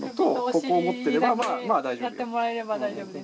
あとお尻だけやってもらえれば大丈夫です。